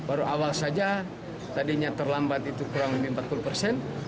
baru awal saja tadinya terlambat itu kurang lebih empat puluh persen